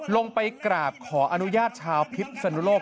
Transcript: ลงไปกราบขออนุญาตชาวพิษสนุโลก